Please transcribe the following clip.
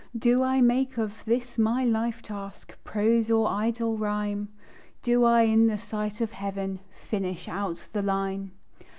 Do I make of this my life task Prose or idle rhyme? Do I in the sight of Heaven Finish out the line?